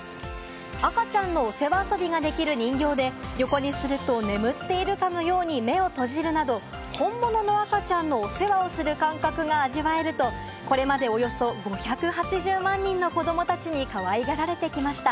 赤ちゃんのお世話遊びができる人形で、横にすると眠っているかのように目を閉じるなど本物の赤ちゃんのお世話をする感覚が味わえると、これまでおよそ５８０万人の子どもたちにかわいがられてきました。